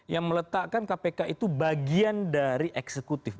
yang meletakkan kpk itu bagian dari eksekutif